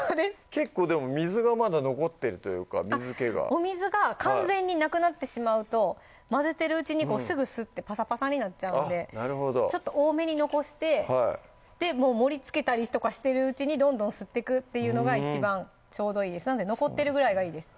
結構でも水がまだ残ってるというか水気がお水が完全になくなってしまうと混ぜてるうちにすぐ吸ってパサパサになっちゃうんでちょっと多めに残してで盛りつけたりとかしてるうちにどんどん吸ってくっていうのが一番ちょうどいいですなんで残ってるぐらいがいいです